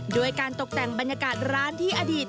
ด้วยการตกแต่งบรรยากาศร้านที่อดีต